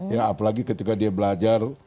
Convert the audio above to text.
ya apalagi ketika dia belajar